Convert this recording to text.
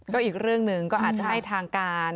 ก็อีกเรื่องหนึ่งก็อาจจะให้ทางการ